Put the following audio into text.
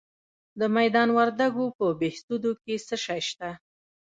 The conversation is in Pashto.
د میدان وردګو په بهسودو کې څه شی شته؟